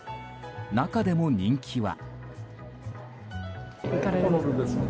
中でも人気は。